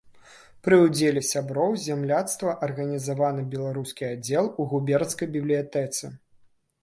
Пры ўдзеле сяброў зямляцтва арганізаваны беларускі аддзел у губернскай бібліятэцы.